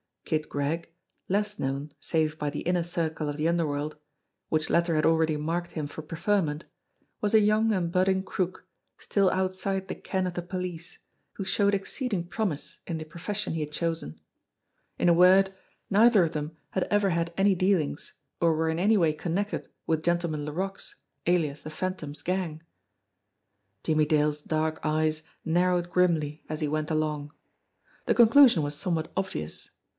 Kid Gregg, less known save by the inner circle of the under world, which latter had already marked him for preferment, was a young and budding crook, still outside the ken of the police, who showed exceeding promise in the profession he 196 JIMMIE DALE AND THE PHANTOM CLUE had chosen. In a word, neither of them had ever had any dealings or were in any way connected with Gentleman Laroque's, alias the Phantom's gang. Jimmie Dale's dark eyes narrowed grimly as he went along. The conclusion was somewhat obvious.